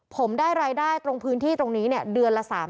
ผมได้รายได้ตรงพื้นที่ตรงนี้เนี่ยเดือนละ๓๐๐